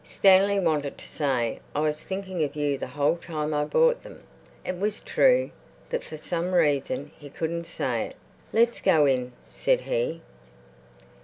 Stanley wanted to say, "I was thinking of you the whole time I bought them." It was true, but for some reason he couldn't say it. "Let's go in," said he.